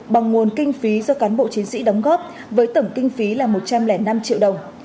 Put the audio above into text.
bằng nguồn kinh phí do cán bộ chiến sĩ đóng góp với tổng kinh phí là một trăm linh năm triệu đồng